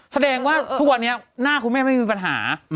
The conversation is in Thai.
แสดงว่าทุกวันนี้หน้าคุณแม่ไม่มีปัญหา